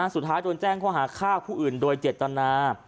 สุดท้ายโดนแจ้งข้อหาฆ่าผู้อื่นโดยเจตนา